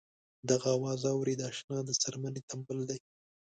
دغه اواز اورې د اشنا د څرمنې تمبل دی.